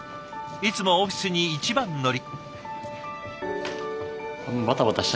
いつもオフィスに一番乗り。